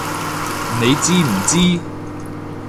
你知唔知！